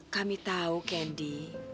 kami tau kandi